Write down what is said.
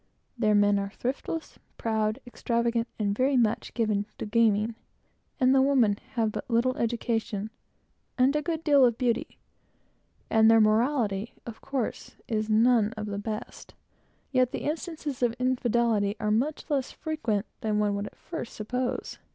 The men are thriftless, proud, and extravagant, and very much given to gaming; and the women have but little education, and a good deal of beauty, and their morality, of course, is none of the best; yet the instances of infidelity are much less frequent than one would at first suppose.